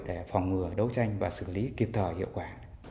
để phòng ngừa đấu tranh và xử lý kịp thời hiệu quả